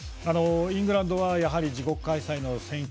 イングランドはやはり自国開催